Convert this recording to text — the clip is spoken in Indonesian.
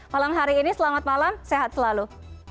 malam hari ini selamat malam sehat selalu